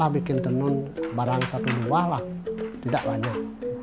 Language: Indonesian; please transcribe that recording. bikin tenun barang satu dualah tidak banyak